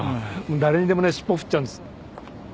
誰にでもね尻尾振っちゃうんです。